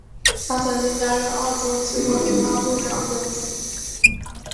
他曾经担任澳洲气候变化部长等职务。